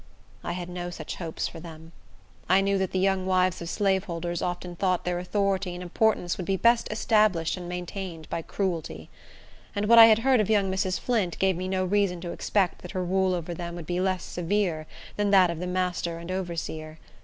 I had no such hopes for them. I knew that the young wives of slaveholders often thought their authority and importance would be best established and maintained by cruelty; and what I had heard of young Mrs. Flint gave me no reason to expect that her rule over them would be less severe than that of the master and overseer.